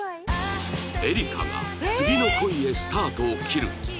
エリカが次の恋へスタートを切る